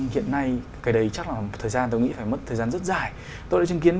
hiện nay cái đấy chắc là một thời gian